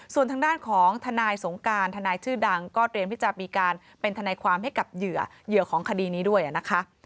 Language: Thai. ส่วนทางด้านของทนายสงการทนายชื่อดังก็เตรียมที่จะมีการเป็นทนายความให้กับเหยื่อเหยื่อของคดีนี้ด้วยนะคะ